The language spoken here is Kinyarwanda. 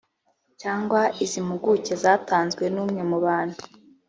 cyangwa iz impuguke zatanzwe n umwe mu bantu